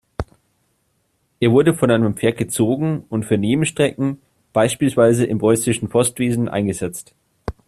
Er wurde von einem Pferd gezogen und für Nebenstrecken, beispielsweise im Preußischen Postwesen eingesetzt.